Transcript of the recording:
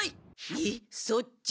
えっそっち？